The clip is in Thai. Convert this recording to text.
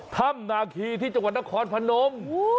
ถ้ำนาคีที่จังหวัดนครพนม